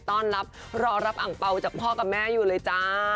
ต้อนรับรอรับอังเปล่าจากพ่อกับแม่อยู่เลยจ้า